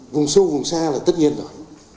vùng sâu vùng xa là tất nhiên rồi